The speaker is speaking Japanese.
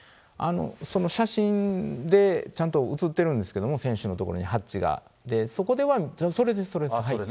その写真でちゃんと写ってるんですけれども、船首の所にハッチが、そこでは、それです、それです。